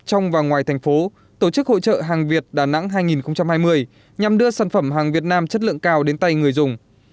trong và ngoài thành phố tổ chức hội trợ hàng việt đà nẵng hai nghìn hai mươi nhằm đưa sản phẩm hàng việt nam chất lượng cao đến tay người dùng